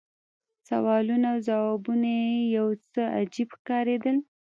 سوالونه او ځوابونه یې یو څه عجیب ښکارېدل.